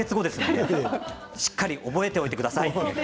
しっかり覚えておいてください。